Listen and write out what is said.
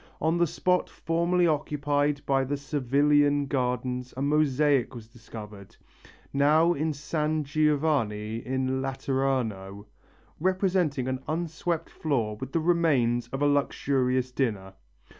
On the spot formerly occupied by the Servilian gardens a mosaic was discovered, now in San Giovanni in Laterano, representing an unswept floor with the remains of a luxurious dinner.